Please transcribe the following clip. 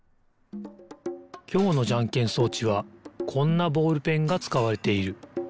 きょうのじゃんけん装置はこんなボールペンがつかわれている。